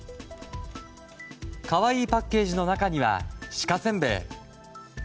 可愛いパッケージの中には鹿せんべい。